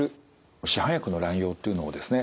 市販薬の乱用っていうのをですね